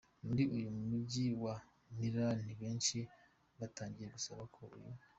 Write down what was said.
Muri uyu mujyi wa Milan benshi batangiye gusaba ko uyu.